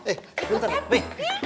eh ikutan fi